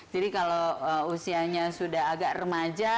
jadi kalau usianya sudah agak remaja